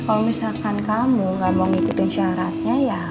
kalau misalkan kamu gak mau ngikutin syaratnya ya